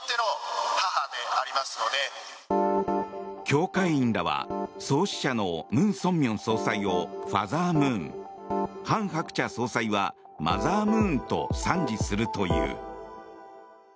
教会員らは創始者のムン・ソンミョン総裁をファザームーンハン・ハクチャ総裁はマザームーンと賛辞するという。